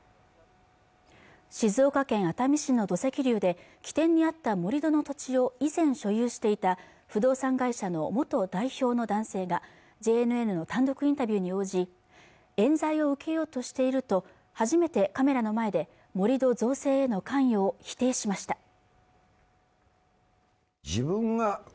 静岡県熱海市の土石流で起点にあった盛り土の土地を以前所有していた不動産会社の元代表の男性がＪＮＮの単独インタビューに応じ冤罪を受けようとしていると初めてカメラの前で盛り土造成への関与を否定しました